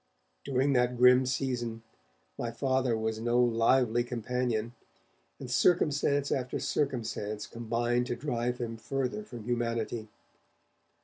During that grim season, my Father was no lively companion, and circumstance after circumstance combined to drive him further from humanity.